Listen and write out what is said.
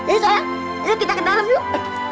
eh sayang ayo kita ke dalam yuk